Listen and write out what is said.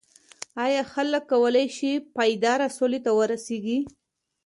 ایا خلک کولای شي پایداره سولې ته ورسیږي؟